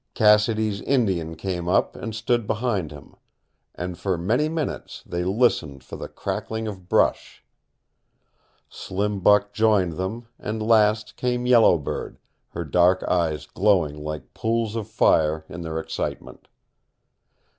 Cassidy's Indian came up and stood behind him, and for many minutes they listened for the crackling of brush. Slim Buck joined them, and last came Yellow Bird, her dark eyes glowing like pools of fire in their excitement.